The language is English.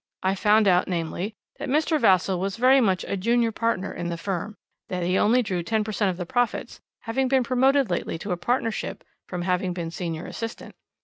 I found out, namely, that Mr. Vassall was very much a junior partner in the firm, that he only drew ten per cent of the profits, having been promoted lately to a partnership from having been senior assistant.